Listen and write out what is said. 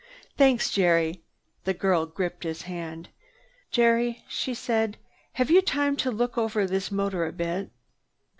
"Thanks, Jerry." The girl gripped his hand. "Jerry," she said, "have you time to look over this motor a bit?"